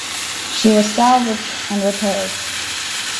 She was salvaged and repaired.